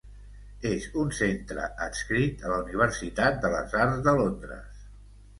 És un centre adscrit a la Universitat de les Arts de Londres.